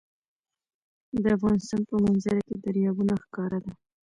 د افغانستان په منظره کې دریابونه ښکاره ده.